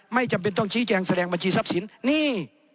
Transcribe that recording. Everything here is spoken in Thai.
ไม่จำเป็นต้องชี้แจงแสดงบัญชีทรัพย์สินนี่